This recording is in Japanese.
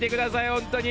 本当に。